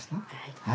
はい。